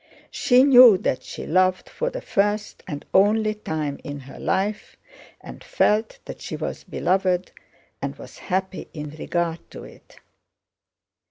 She knew that she loved for the first and only time in her life and felt that she was beloved, and was happy in regard to it.